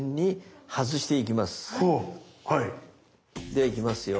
ではいきますよ。